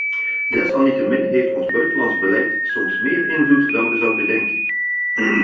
Desalniettemin heeft ons buitenlands beleid soms meer invloed dan we zouden denken.